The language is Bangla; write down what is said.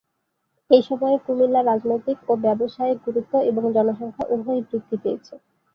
এই সময়ে কুমিল্লার রাজনৈতিক ও ব্যবসায়িক গুরুত্ব এবং জনসংখ্যা উভয়ই বৃদ্ধি পেয়েছে।